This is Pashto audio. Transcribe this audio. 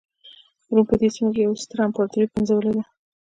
روم په دې سیمه کې یوه ستره امپراتوري پنځولې وه.